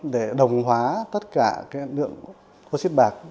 để đồng hóa tất cả cái lượng oxy bạc